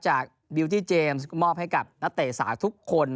จากบิวที่เจมส์มอบให้กับนัตเตสาทุกคน